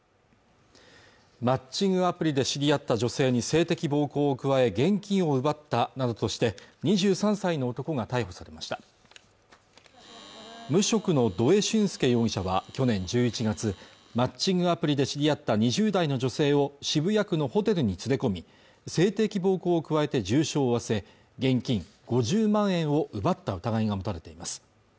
マッチングアプリで知り合った女性に性的暴行を加え現金を奪ったなどとして２３歳の男が逮捕されました無職の土江俊輔容疑者は去年１１月マッチングアプリで知り合った２０代の女性を渋谷区のホテルに連れ込み性的暴行を加えて重傷を負わせ現金５０万円を奪った疑いが持たれています